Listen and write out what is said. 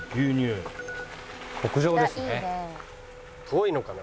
遠いのかな？